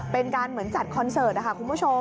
เป็นการเหมือนจัดคอนเสิร์ตนะคะคุณผู้ชม